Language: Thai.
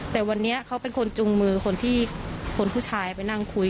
แต่วันนี้เขาเป็นคนจุงมือคนที่คนผู้ชายไปนั่งคุย